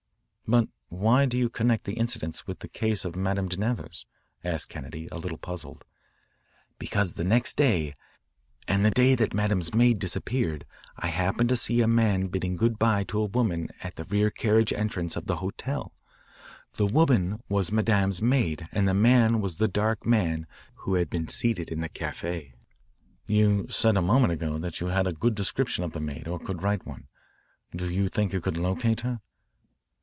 "But why do you connect that incident with this case of Madame de Nevers?" asked Kennedy, a little puzzled. "Because the next day, and the day that Madame's maid disappeared, I happened to see a man bidding good bye to a woman at the rear carriage entrance of the hotel. The woman was Madame's maid and the man was the dark man who had been seated in the caf=82." "You said a moment ago that you had a good description of the maid or could write one. Do you think you could locate her?"